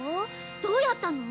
どうやったの？